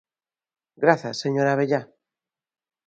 Grazas, señora Abellá.